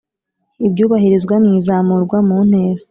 ibyubahirizwa mu izamurwa mu ntera